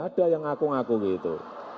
ada yang ngaku ngaku gitu